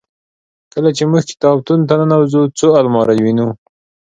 کله چې موږ کتابتون ته ننوزو څو المارۍ وینو.